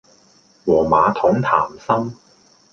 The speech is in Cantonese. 和馬桶談心